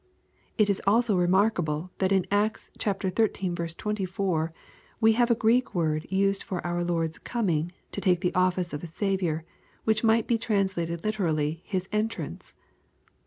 It is also remarkable that in Acts xiii. 24, we have a Grreek word used for our Lord's " coming" to take the office of a Saviour, which might be trans lated literally His "entrance."